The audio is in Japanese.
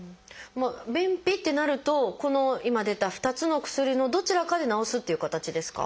便秘ってなるとこの今出た２つの薬のどちらかで治すっていう形ですか？